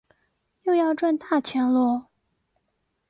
又要赚大钱啰